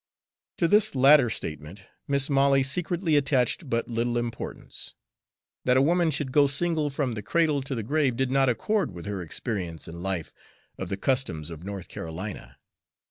To this latter statement Mis' Molly secretly attached but little importance. That a woman should go single from the cradle to the grave did not accord with her experience in life of the customs of North Carolina.